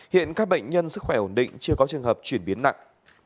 hiện các bệnh nhân sức khỏe ổn định chưa có trường hợp chuyển biến nặng